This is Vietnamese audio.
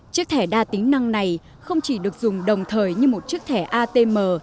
chiếc thẻ đa tính năng này không chỉ được dùng đồng thời như một chiếc thẻ atm